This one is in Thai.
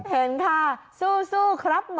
เห็นค่ะสู้ครับ